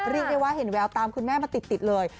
เรียกได้ว่าเห็นแววตามคุณแม่มาติดเลย